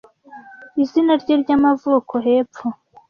Izina rye ry'amavuko hepfo;